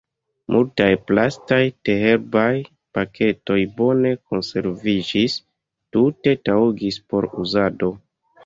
Multaj plastaj teherbaj paketoj bone konserviĝis, tute taŭgis por uzado.